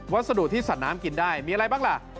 สดุที่สัดน้ำกินได้มีอะไรบ้างล่ะ